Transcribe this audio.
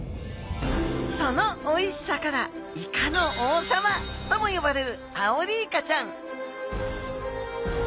そのおいしさからイカの王様ともよばれるアオリイカちゃん！